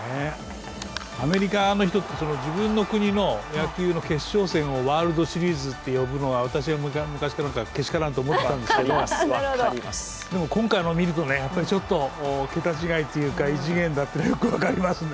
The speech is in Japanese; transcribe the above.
アメリカの人って自分の国の野球の決勝戦をワールドシリーズって呼ぶのが私は昔からけしからんと思ったんですけど、でも、今回のを見るとちょっと桁違いというか、異次元だというのがよく分かりますね。